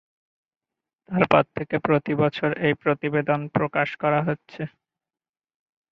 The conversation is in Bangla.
তারপর থেকে প্রতিবছর এই প্রতিবেদন প্রকাশ করা হচ্ছে।